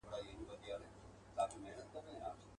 په نري تار مي تړلې یارانه ده.